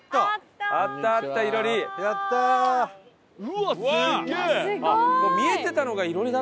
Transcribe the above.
うわっすげえ！